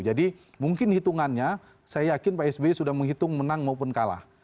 mungkin hitungannya saya yakin pak sby sudah menghitung menang maupun kalah